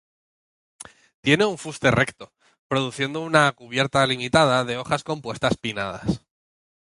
Tiene un fuste recto, produciendo una cubierta limitada de hojas compuestas pinnadas.